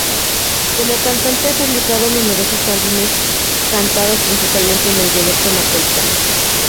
Como cantante ha publicado numerosos álbumes, cantados principalmente en el dialecto napolitano.